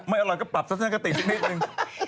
ไม่อร่อยก็ปรับสัสนักฐิติจ๊กนิดหนึ่ง